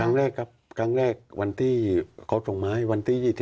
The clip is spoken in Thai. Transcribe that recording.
ครั้งแรกครับครั้งแรกวันที่เขาส่งมาให้วันที่๒๒